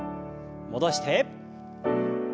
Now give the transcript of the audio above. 戻して。